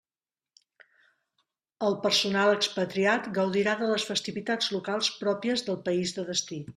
El personal expatriat gaudirà de les festivitats locals pròpies del país de destí.